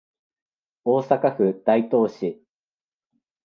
大阪府大東市